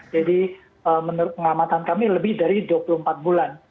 jadi menurut pengamatan kami lebih dari dua puluh empat bulan